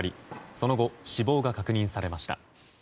その後、死亡が確認されました。